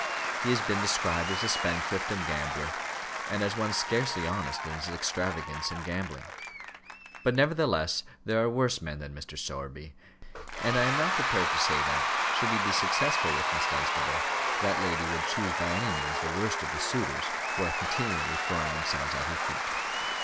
He has been described as a spendthrift and gambler, and as one scarcely honest in his extravagance and gambling. But nevertheless there are worse men than Mr. Sowerby, and I am not prepared to say that, should he be successful with Miss Dunstable, that lady would choose by any means the worst of the suitors who are continually throwing themselves at her feet.